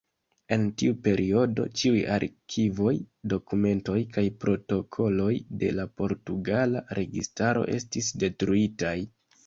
En tiu periodo, ĉiuj arkivoj, dokumentoj kaj protokoloj de la portugala registaro estis detruitaj.